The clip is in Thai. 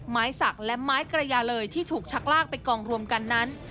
ไม้ศักดิ์และกระอยาลรยนี่ที่ถูกชักลากไปกองรวมกันนั้น